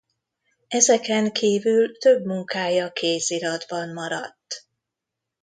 Ezeken kívül több munkája kéziratban maradt.